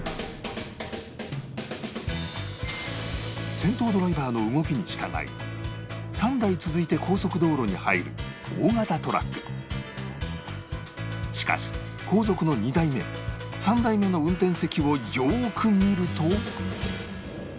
先頭ドライバーの動きに従い３台続いて高速道路に入る大型トラックしかし後続の２台目３台目の運転席をよーく見ると